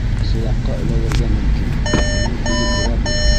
Сулаҡҡа эләгергә мөмкин, уның күҙе күрә бит.